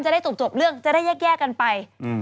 ได้จบเรื่องจะได้แยกกันไป